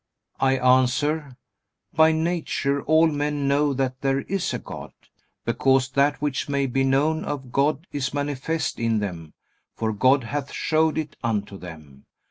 I answer: By nature all men know that there is a God, "because that which may be known of God is manifest in them, for God hath showed it unto them.